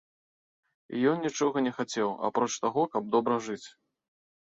І ён нічога не хацеў, апроч таго, каб добра жыць.